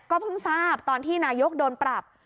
เพิ่งทราบตอนที่นายกโดนปรับ